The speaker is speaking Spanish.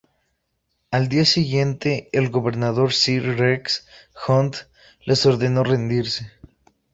Al día siguiente, el gobernador Sir Rex Hunt les ordenó rendirse.